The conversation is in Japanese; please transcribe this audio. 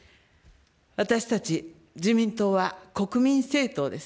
私たち自民党は国民政党です。